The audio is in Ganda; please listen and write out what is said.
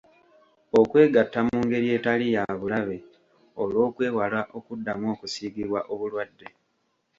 Okwegatta mu ngeri etali ya bulabe olw’okwewala okuddamu okusiigibwa obulwadde.